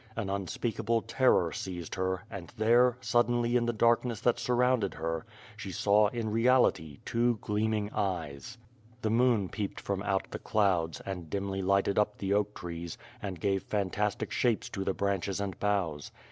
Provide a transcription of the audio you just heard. An unspeakable terror seized her and, there, suddenly in the darkness that surrounded her, she saw, in reality, two gleam ing eyes. The moon peeped from out the clouds, and dimly lighted up the oak trees, and gave fantastic shapes to the branches and boughs.